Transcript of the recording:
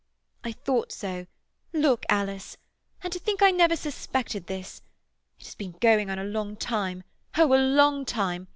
"I thought so. Look, Alice. And to think I never suspected this! It has been going on a long time—oh, a long time.